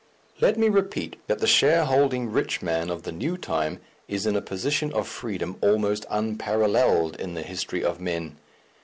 Let me repeat that the shareholding rich man of the new time is in a position of freedom almost unparalleled in the history of men.